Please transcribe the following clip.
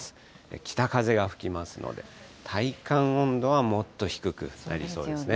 北風が吹きますので、体感温度はもっと低くなりそうですね。